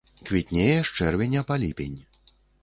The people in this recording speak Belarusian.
Квітнее з чэрвеня па ліпень.